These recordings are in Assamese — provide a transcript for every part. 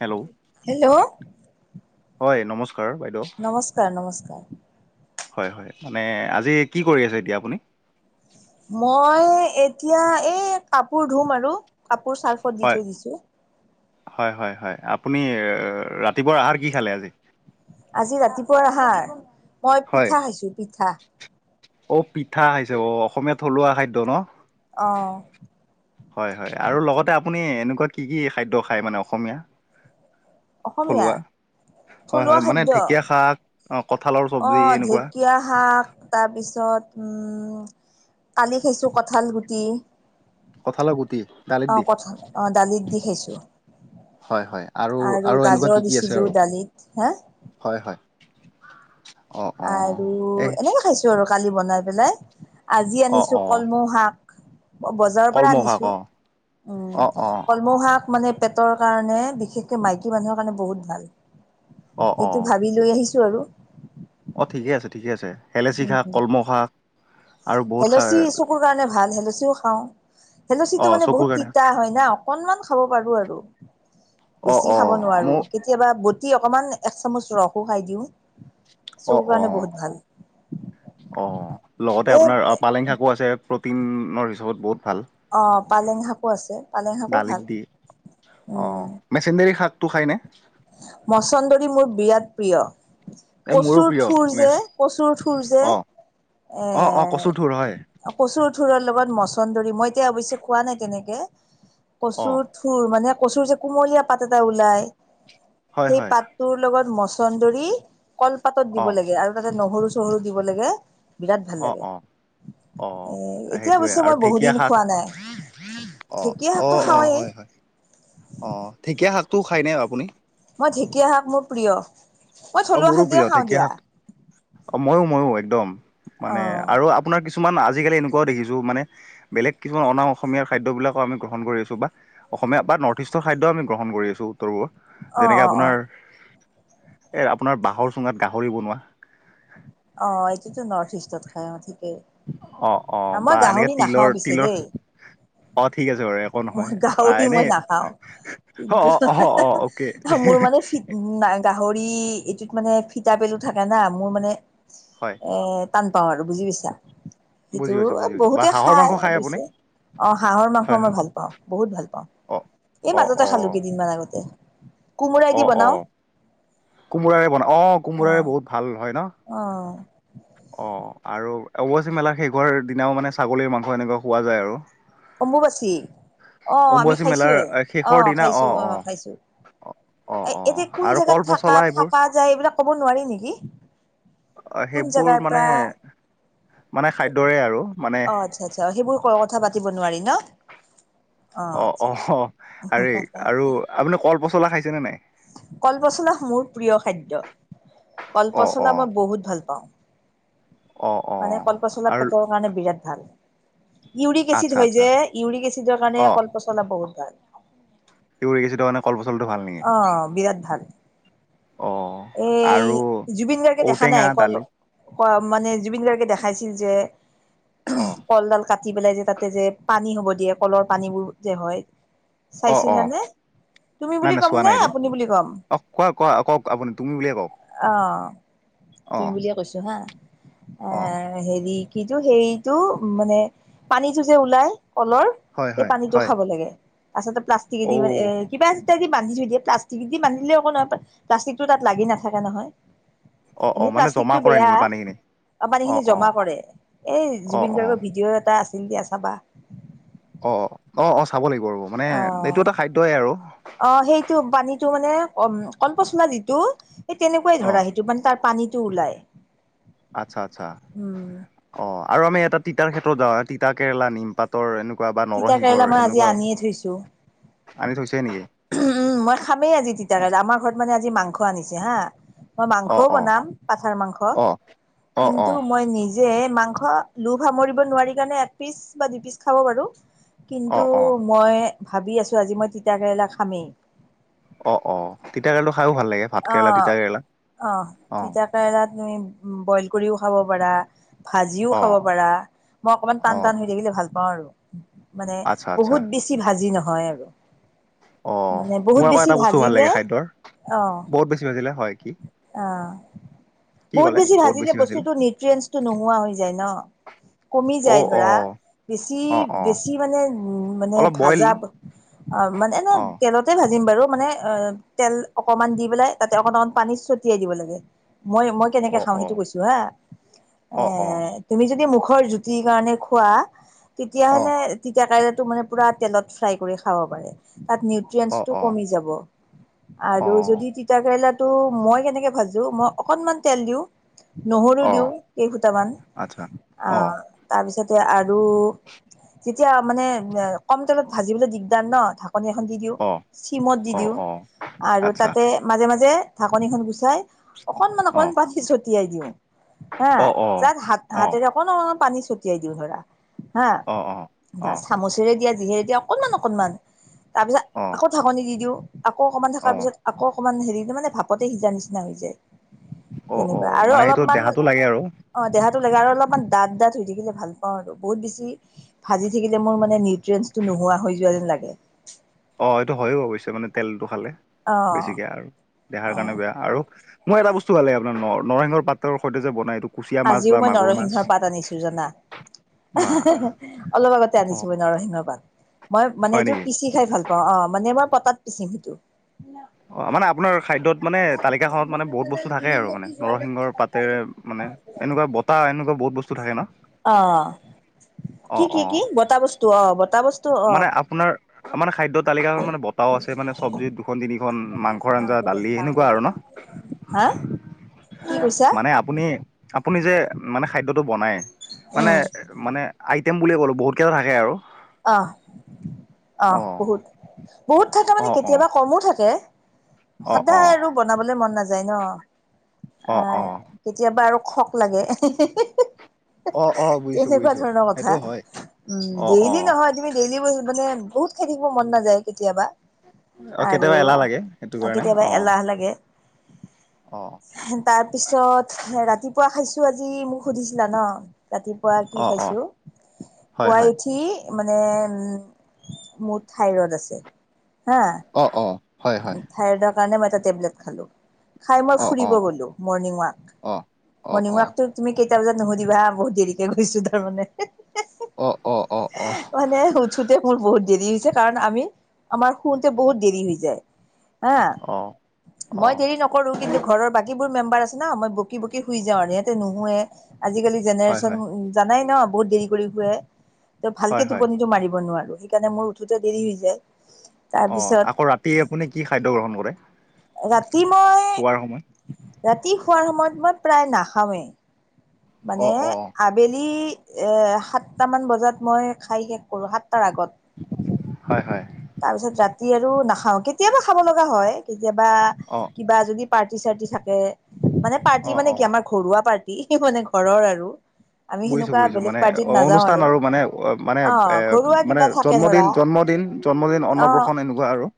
হেল্ল' হেল্ল' হয় নমস্কাৰ বাইদেউ নমস্কাৰ, নমস্কাৰ হয়, হয়, মানে আজি কি কৰি আছে এতিয়া আপুনি? মই এতিয়া এই কাপোৰ ধুম আৰু। কাপোৰ চাৰ্ফত দি থৈ দিছোঁ। হয়-হয়-হয়, আপুনি ৰাতিপুৱা আহাৰ কি খালে আজি? আজি ৰাতিপুৱা আহাৰ? মই হয় পিঠা খাইছো পিঠা। অ', পিঠা খাইছা। অ, অসমীয়াত থলুৱা খাদ্য ন? অ', হয়-হয়, আৰু লগতে আপুনি এনেকুৱা কি কি খাদ্য খায় মানে অসমীয়া? অসমীয়া? থলুৱা হয় থলুৱা হয় মানে খাদ্য? ঢেকীয়া শাক অ কঁঠালৰ চব্জি অ', এনেকুৱা ঢেকীয়া শাক তাৰপিছত উম। কালি খাইছো কঠাল গুটি কঁঠালৰ গুটি দালিত আহ, দি কঠাল আহ দালিত দি খাইছো। হয় হয় আৰু এনেকুৱা কি গাজৰ কি আছে দিছিলো আৰু দালিত। হা? [unintelligible] আৰু এ এনেকে খাইছো আৰু কালি বনাই পেলাই। আজি অ অ আনিছো কলমৌ শাক। বজাৰৰ পৰা কলমৌ শাক আনিছো। অ উম অ অ কলমৌশাক মানে পেটৰ কাৰণে, বিশেষকে মাইকী মানুহৰ কাৰণে বহুত ভাল। অ অ সেইটো ভাবি লৈ আহিছো আৰু। অ', ঠিকেই আছে ঠিকে আছে, হলোচি শাক, উম, কলম শাক আৰু বহুত শাক হেলচি চকুৰ কাৰণে ভাল, হেলচিও খাওঁ। অ হলচিটো মানে চকুৰ বহুত কাৰণে তিতা হয় না। অকনমান খাব পাৰো আৰু। অ বেছি অ খাব নোৱাৰো। মোৰ কেতিয়াবা বতি অকমান এক চামুচ ৰসো খাই দিওঁ। চকুৰ অ- কাৰণে অ- বহুত ভাল। আহ লগতে এই আপোনাৰ পালেং শাকো আছে, প্ৰটিনৰ হিচাপত বহুত ভাল। অ' পালেং শাকো আছে পালেং শাকো দালিত ভাল দি। অ', উম। মেচিডৰী শাক টো খাইনে? মচন্দৰী মোৰ বিৰাট প্ৰিয়। এই মোৰো কচুৰ প্ৰিয় থঠুৰ যে, মেচ কচুৰ থঠুৰ যে এ অ অ অ কচুৰ ঠোৰ হয় কচুৰত থোৰৰ লগত মচন্দৰ, মই এতিয়া অৱশ্য খোৱা নাই তেনেকে, অ কচুৰ থুৰ মানে কচুৰ যে কুমলীয়া পাত এটা ওলাই। হয় সেই হয় পাতটোৰ লগত মচন্দৰি কলপাতত অ দিব লাগে, আৰু তাতে নহৰু চহৰু দিব লাগে। বিৰাট ভাল অ লাগে। অ অ এ এতিয়া সেইটোৱে অৱশ্যে আৰু মই বহু ঢেকীয়া দিন শাক খোৱা নাই অ, ঢেঁকীয়া অ, শাকটো অ, খাওঁৱেই হয় হয় অ, ঢেকীয়া শাকটো খাই ন আপুনি? মই ঢেঁকীয়া শাপ মোৰ প্ৰিয়, মই অ থলুৱা মোৰো প্ৰিয় সাকে খাওঁ ঢেকীয়া শাক দিয়া। অ, ময়ো ময়ো একদম অ মানে আৰু আপোনাৰ কি কিছুমান আজিকালি এনেুৱও দেখিছো মানে, বেলেগ কিছুমান অনা অসমীয়াৰ খাদ্যবিলাকো আমি গ্ৰহণ কৰি আছো বা অসমীয়া বা নৰ্থ ইষ্টৰ খাদ্য আমি গ্ৰহণ কৰি আছোঁ উত্তৰ পূৰ্বত অ যেনেকে অ অ আপোনাৰ এ আপোনাৰ বাঁহৰ চুঙাত গাহৰি বনোৱা অ, এটোয়াটো নৰ্থ ইষ্টত খাই অ। অ', অ', বা আমাৰ এনেকে গাহৰি তিলৰ নাখাও পিছে তিলৰ দেই অ', ঠিক আছে বাৰু একো নহয় মই বা গাহৰি এনেই মই নাখাওঁ। অ', কিন্তু অ', অ', অ', অ'কে মোৰ মানে গাহৰি এইটোত মানে ফটা পেলো থাকে না, মোৰ মানে হয় এ পাওঁ আৰু বুজি পিইছা বুজি সেইটো পাইছোঁ বুজি পাইছোঁ বা বহুতে হাঁহৰ খাই মাংস খায় আপুনি অৱশ্যে অ', হাঁহৰ মাংস হয় মই হয় ভাল পাওঁ পা বহুত ভাল পাওঁ, অ', এই অ', মাজতে খালোঁ অ', কেইদিনমান আগতে। কোমোৰা দি অ', বনাওঁ অ', কোমোৰাৰে বন, অ। কোমোৰাৰে বহুত ভাল হয় ন? অ', অ', আৰু অৱচি মেলা শেষ শোৱাৰ দিনাও মানে ছাগলীৰ মাংস এনেকুৱা খোৱা যায় আৰু অম্বুবাচী অ', আমি অম্বুবাচী মেলাৰ খাইছোয়ে শেষৰ অ', দিনা খাইছো অ', খাইছো। অ এ অ এতিয়া কোন আৰু জেগাত কল থাকা পচলা এইবোৰ থাকা যায়, এইবিলাক ক'ব নোৱাৰি নেকি? আ, সেই জাগাৰ পাৰা অ', খাদ্যৰে আৰু মানে আচ্ছা আচ্ছা সেইবোৰ কথা পাতিব নোৱাৰি ন অ', অ', অ', আৰে আৰু আপুনি কল পচলা খাইছেনে নাই? কলপচলা মোৰ প্ৰিয় খাদ্য অ অ কলপচলা মই বহুত ভাল পাওঁ। অ অ মানে কল পচলা আৰু পেতৰ কাৰণে বিৰাট ভাল। ইউৰিক এচিড আচ্ছা হয় আচ্ছা যে ইউৰিক এচিডৰ কাৰণে অ কল পচলা বহুত ভাল। ইউৰিক এচিডৰ কাৰনে কল অ', বিৰাট ভাল। অ এই আৰু জুবিন গাৰ্গে দেখা ঔটেঙা নাই কল দালি মানে জুবিন গাৰ্গে দেখাইছিল যে অ কলডাল কাটি কাটি পেলাই যে তাতে যে পানী হ'ব দিয়ে কলৰ পানীবোৰ যে হয়। অ অ চাইছিলানে তুমি নাই বুলি নাই ক'ম চোৱা নাই নে এইটো আপুনি বুলি কম? অ কোৱা কোৱা কওক আপুনি তুমি বুলিয়ে কওক অ', অ তুমি বুলিয়ে কৈছো হা এ অ হেৰি কিটো হেৰিটো মানে পানীটো যে ওলাই কলৰ হয় সেই হয় পানীটো হয় খাব লাগে আচলতে প্লাষ্টিক ঔ এদি মানে এ কিবা ই দি বান্ধি থৈ দিয়ে প্লাষ্টিক দি বান্ধিলে একো নহয় প্লাষ্টিকটো তাত লাগি নাথাকে নহয়। অ অ এনেই মানে জমা প্লাষ্টিকটো কৰে বেয়া নেকি পানীখিনি আ, অ পানীখিনি অ জমা কৰে, এই অ জুবিন অ গাৰ্গৰ ভিডিঅ' এটা আছিল দিয়া চাবা। অ, অ, অ, চাব লাগিব ৰ'ব মানে অ এইটো এটা খাদ্যই আৰু অ', সেইটো পানীটো মানে অ', কলপচলা দিটো সেই তেনেকুৱাই অ ধৰা সেইটো মানে তাৰ পানীটো ওলায় আচ্ছা, আচ্ছা, অ', আৰু আমি এটা তিতাৰ ক্ষেত্ৰত যাওঁ, তিতা কেৰেলা নিম পাতৰ এনেকুৱা এনেকুৱা বা তিতা নৰসিংহৰ, কেৰেলা মই আজি এনেকুৱা আনিয়ে থৈছো আনি থৈছে নেকি? উম, মই খামেই আজি তিতা অ কেৰেলা আমাৰ ঘৰত মানে আজি মাংস আনিছে হা। মই অ মাংসও অ বনাম পাথাৰ মাংস, অ অ অ কিন্তু মই নিজে লোভ সামৰিব নোৱাৰি কাৰণে এক পিচ বা দুই পিচ খাব পাৰো। অ কিন্তু মই ভাবি আছোঁ আজি মই তিতা কেৰেলা খামেই। অ', অ', তিতা কেৰেলটো খায়ো ভাল লাগে ভাত কেৰেলা অ', অ', তিতা কেৰেলাত ণি উম, বইল কৰিও খাব পাৰা, ভাজিও অ খাব পাৰা, মই অকনমান অ টান টান হৈ থাকিলে ভাল পাওঁ আৰু মানে আচ্ছা আচ্ছা বহুত বেছি ভাজি নহয় আৰু। অ মানে বহুত মোৰ আকৌ বেছি এটা বস্তু ভাল লাগে ভাজিলে খাদ্যৰ অ', বহুত বেছি ভাজিলে হয় কি? অ বহুত বেছি ভাজিলে বস্তুটোত নিউট্ৰিয়েঞ্চটো নোহোৱা হৈ যায় ন। কমি যায় অ', ধৰা অ', বেছি অ', অ', বেছি মানে উম, মানে অলপ বইল ভাজা অ মানে এনে অ', তেলতে ভাজিম বাৰু। মানে অ' তেল অকমান দি পেলাই তাতে অকণমান পানী ছটিয়াই দিব লাগে। মই মই কেনেকে অ', খাওঁ সেইটো অ', কৈছো হা', এ অ', অ', তুমি যদি মুখ বৰ জুতিৰ কাৰণে খোৱা তেতিয়া অ', হ'লে তিতা কেৰ টো মানে পুৰা তেলত ফ্ৰাই কৰি খাব পাৰে। তাত নিউট্ৰিয়েনচটো অ', কমি যাব। অ', আৰু অ', যদি কেৰেলাটো মই কেনেকে ভাজো, মই অকনমান তেল দিও নহৰু দিওঁ অ', কেই সুতামান আচ্ছা অ', আহ তাৰপিছত আৰু তেতিয়া মানে কম তেলত ভাজিবলৈ দিগদাৰ ন কণী এখন দি দিওঁ, অ', চিমত দি অ', দিওঁ অ', আৰু আচ্ছা তাতে মাজে মাজে ঢাকনিখন গুচাই অকনমান অকনমান অ', পানী ছটিয়াই দিওঁ। হা অ', অ', তাত হাত অ', অ', হাতেৰে অকণ অকমান পানী ছটিয়াই দিওঁ ধৰা। হা, অ', অ', বা অ', চামুচেৰে দিয়া যিহেৰে দিয়া অকনমান অকনমান। তাৰ পিছত অ', আকৌ ঢাকনি দি দিওঁ, আকৌ অকমান থকা অ', অ', পিছত আকৌ অকণমান হেৰিটো মানে ভাপতে সিজা নিচিনা হৈ যায়। তেনেকুৱা, আৰু মানে এইটো অলপমান দেহাটো লাগে আৰু অ দেহাতো লাগে আৰু অলপমান দাঁঠ দাঁঠ জুই থাকিলে ভাল পাওঁ আৰু বহুত বেছি ভাজি থাকিলে মোৰ মানে নিউট্ৰিয়েনটো নোহোৱা হৈ যোৱা যেন লাগে। অ' এইটো হয়ো অৱশ্যে মানে তেলটো খালে অ বেছিকে আৰু দেহাৰ অ কাৰণে বেয়া আৰু। মই এটা বস্তু ভাল লাগে আপোনাৰ নৰ নৰসিংহ পাতৰ সৈতে যে বনাই এইটো কুচিয়া মাছ আজিও বা মই মাগুৰ মাছ নৰসিংহৰ পাত আনিছো জানা? অলপ বা আগতে আনিছো অ', মই নৰসিংহ পাত। মই মানে হয় এইটো নেকি পিচি খাই ভাল পাওঁ, অ' মানে মই পতাত পিচিম সেইটো। অ' মানে আপোনাৰ খাদ্যত মানে তালিকা খনত মানে বহুত বস্তু থাকে আৰু মানে। নৰসিংহৰ পাতেৰে মনে এনেকুৱা বতা এনেকুৱা বহুত বস্তু থাকে ন? অ অ কি, কি, অ কি? বতাহ বস্তু, অ' বতাহ বস্তু। অ মানে আপোনাৰ মানে খাদ্য তালিকাখন মানে বতাও আছে মানে, চব্জি দুখন তিনি মাংসৰ আঞ্জা, ডাঙৰকে দিয়া দালি ডাঙৰকে সেনেকুৱা আৰু দিয়া হা ন'। কি কৈছা মানে আপুনি, আপুনি যে মানে খাদ্যটো বনাই, মানে উম মানে েমুলিয় ক'ো [unintelligible] বহুতকেইটা থাকে আহ, আহ অ বহুত, বহুত থাকে মানে, অ অ কেতিয়াবা কমো থাকে। অ অ সদায় আৰু বনাবলে মন নাযায় ন', অ আহ কেতিয়াবা আৰু শক লাগে। অ অ অ বুজিছো তেনেকুৱা বুজিছো ধৰণৰ কথা, সেইটো হয় উম, অ অ ডেইলি নহয় তুমি ডেইলি মানে, বহুত খাই থাকিব মন নাযায় কেতিয়াবা। অ আৰু, কেতিয়াবা এলাহ লাগে সেইটো কাৰণে কেতিয়াবা অ এলাহ লাগে। অ তাৰপিছত, ৰাতিপুৱা খাইছোঁ আজি, মোক সুধিছিলা ন'? ৰাতিপুৱা কি অ অ খাইছোঁ, হয় পুৱাই হয় উঠি মানে উম, মোৰ ঠাইৰড আছে। হা অ', অ'। হয় হয় থাইৰইডৰ কাৰণে মই এটা টেবলেট খালোঁ। খাই মই অ অ ফুৰিব গ'লো, মৰ্ণিং ৱাক, অ অ মৰ্ণিং অ ৱাক টো তুমি কে এটা বজাত নুসোধিবা বহুত দেৰিকে গৈছোঁ, তাৰমানে। অ অ অ অ অ মানে উঠুতে, মোৰ বহুত দেৰি হৈ কাৰণ আমি, আমাৰ শুতে বহুত দেৰি হৈ যায়। হা, অ মই দেৰি নকৰো কিন্তু ঘৰৰ বাকীবোৰ মেম্বাৰ আছে ন', মই বকী বকী শুই যাওঁ আৰু, সিহঁতে নুশুৱে। আজিকালি হয় জেনেৰেশচন হয় জানাই ন', বহুত দেৰি কৰি শুৱে, ত', হয় ভালকে হয় টোপনিটো মাৰিব নোৱাৰোঁ। সেইকাৰণে মোৰ উঠোতে দেৰি হৈ যায়। অ', তাৰপিছত আকৌ ৰাতি আপুনি কি খাদ্য গ্ৰহণ কৰে? ৰাতি মই, শোৱাৰ সময়ত ৰাতি শোৱাৰ সময়ত মই প্ৰায় নাখাওঁৱেই। অ মানে অ আবেলি এ সাতটামান বজাত মই খাই শেষ কৰো সাত তাৰ আগত হয় হয় তাৰপিছত ৰাতি আৰু নাখাওঁ কেতিয়াবা খাব লগা হয়। যোবা অ কিবা যদি পাৰ্টি - চাৰ্টি থাকে মানে পাৰ্টি অ মানে অ কি আমাৰ ঘৰুৱা পাৰ্টি। মানে ঘৰৰ আৰু আমি বুজিছোঁ- সেনেকুৱা বুজিছোঁ বেলেগ মানে পাৰ্টিত অ নাযাওঁ অনুষ্ঠান আৰু মানে মানে অ এ ঘৰুৱা মানে কিবা থাকে ধৰা জন্মদিন জন্মদিন জন্মদিন অ অন্নপ্ৰসন এনেকুৱা আৰু।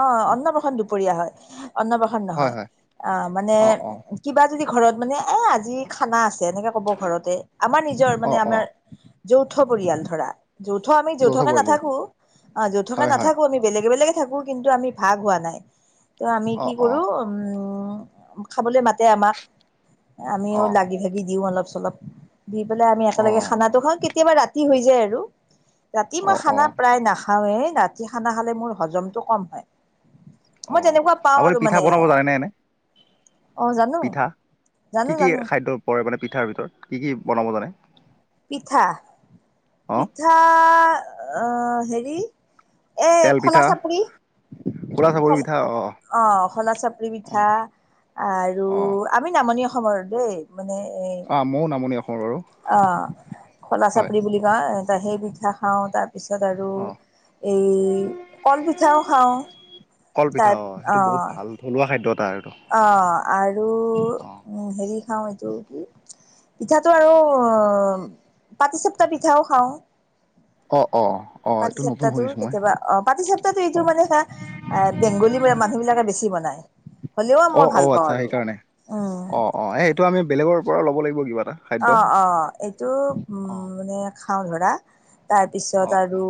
অ', অন্নপ্ৰসন দুপৰীয়া হয়, অন্নপ্ৰসন হয় নহয়, হয় আহ, মানে অ অ কিবা যদি ঘৰত মানে এ, আজি খানা আছে, এনেকে ক'ব ঘৰতে, আমাৰ নিজৰ অ মানে অ আমাৰ যৌথ পৰিয়াল ধৰা, যৌথ আমি যৌথ যৌথকে পৰিয়াললৈ নাথাকোঁ। অ', যৌথকে হয় হয় নাথাকোঁ আমি বেলেগ বেলেগে থাকোঁ, কিন্তু আমি ভাগ হোৱা নাই, ত', আমি অ কি অ কৰোঁ উম খাবলৈ মাতে আমাক, আমিও অ লাগি-ভাগি দিওঁ অলপ-চলপ। দি পেলাই আমি অ একেলগে খানাটো খাওঁ, কেতিয়াবা ৰাতি হৈ যায় আৰু, ৰাতি অ মই অ খানা প্ৰায় নাখাওঁ। নাখাওঁয়ে এই ৰাতি খানা খালে মোৰ হজমতটো কম হয় অ মই তেনেকুৱা পাওঁ আপুনি আৰু পিঠা মানে বনাব জানেনে এনে অ জানো পিঠা জানো কি কি জানো খাদ্য পৰে মানে পিঠাৰ ভিতৰত কি কি বনাব জানে পিঠা অ পিঠা আহ হেৰি এ খোলা চাপৰি ঘোৰা খল চাপৰি পিঠা অ অ খোলা চাপৰি অ পিঠা আৰু অ আমি নামনি অসমৰ দেই মানে এ অ ময়ো নামনি অসমৰ বাৰু আহ খোলা হয় চাপৰি বুলি কোৱা [unintelligible] পিঠা খাওঁ তাৰপিছত আৰু অ এই কলপিঠাও খাওঁ কল পিঠা অ সেইটো বহুত ভাল থলুৱা খাদ্যত অ আৰু অ উ হেৰি খাওঁ এইটো কি পিঠাটো আৰু পাতিচাপ্তটা পিঠাও খাওঁ অ অ অ পাতি এইটো নতুন চাপ্তাটো শুনিছো মই কেতিয়াবা অ পাতি চাপ্তাটো এইটো অ মানে এটা বেংগলী মানুহ বিলাকে বেছি বনায় হ'লেও অ মই অ ভাল পাওঁ আচ্ছা আৰু সেইকাৰণে উম অ অ এই এইটো আমি বেলেগৰ পৰা ল'ব লাগিব কিবা এটা খাদ্য অ অ এইটো উ অ মানে খাওঁ ধৰা অ তাৰপিছত আৰু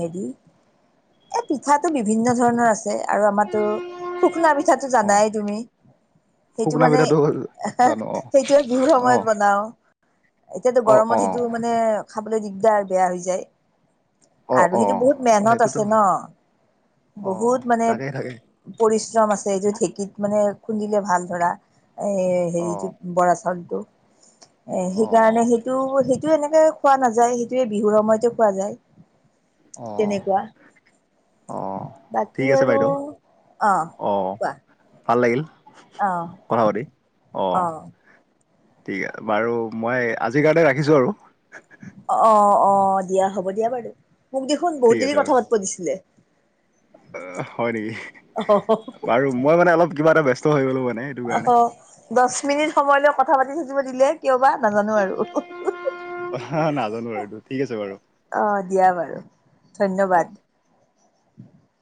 হেৰি এ পিঠাটো বিভিন্ন ধৰণৰ আছে আৰু আমাতো শুকুনা পিঠাটো অ জানাই তুমি সেইটো শুকনা মানে পিঠাটো জানো সেইটো বিহুৰ অ সময়ত বনাও এতিয়াতো অ অ গৰমত অ সেইটো মানে খাবলৈ দিগদাৰ আৰু বেয়া হৈ যায় অ আৰু অ সেইটো বহুত অ মেনত আছে সেইটোতো হয় ন অ বহুত মানে তাকে উ তাকে পৰিশ্ৰম আছে এইযোৰত ঢেঁকীত মানে খুন্দিলে ভাল ধৰা এই অ হেৰিটো বৰা চাউলটো এ অ সেইকাৰণে সেইটো সেই সেইটো এনেকে খোৱা নাযায় সেইটোৱে বিহুৰ সময়তে খোৱা যায়। অঁ তেনেকুৱা অঁ বাকী ঠিক আছে আৰু বাইদেউ অ অঁ কোৱা ভাল লাগিল অ কথা পাতি অ ঠিক আছে বাৰু মই আজিৰ কাৰণে ৰাখিছো আৰু অ অ অ দিয়া হ'ব দিয়া বাৰু মোক দেখোন বহুত দেৰি কথা পাতব দিছিলে অ হয় নেকি অ বাৰু মই মানে অলপ কিবা এটা ব্যস্ত হৈ গলো মানে সেইটো অ কাৰণে দহ মিনিট সময়লৈ কথা পাতি থাকিব দিলে কিয় বা নাজানো আৰু নাজানো আৰু এইটো ঠিক আছে বাৰু অ দিয়া বাৰু অঁ ধন্যবাদ